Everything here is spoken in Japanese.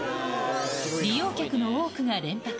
利用客の多くが連泊。